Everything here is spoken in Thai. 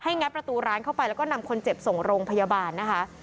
งัดประตูร้านเข้าไปแล้วก็นำคนเจ็บส่งโรงพยาบาลนะคะ